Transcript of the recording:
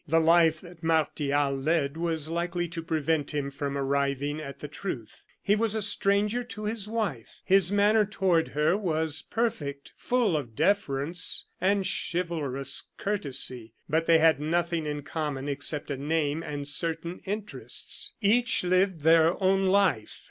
The life that Martial led was likely to prevent him from arriving at the truth. He was a stranger to his wife. His manner toward her was perfect, full of deference and chivalrous courtesy; but they had nothing in common except a name and certain interests. Each lived their own life.